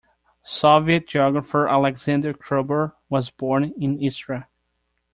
Soviet geographer Alexander Kruber was born in Istra.